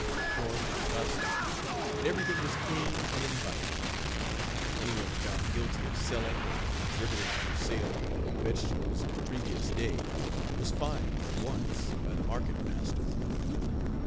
Corn was husked, and everything was clean and inviting. Any one found guilty of selling, or exhibiting for sale, vegetables of a previous day was fined, at once, by the market master.